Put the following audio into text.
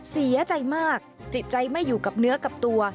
เสียใจมากจิตใจไม่อยู่กับเนื้อกับตัว